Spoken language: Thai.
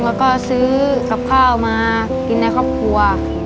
แล้วก็ซื้อกับข้าวมากินในครอบครัว